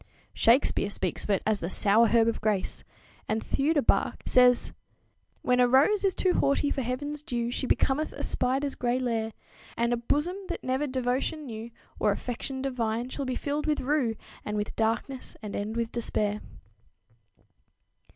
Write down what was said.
Shakespeare speaks of it as the "sour herb of grace," and Theudobach says: "When a rose is too haughty for heaven's dew She becometh a spider's gray lair; And a bosom, that never devotion knew Or affection divine, shall be filled with rue And with darkness, and end with despair."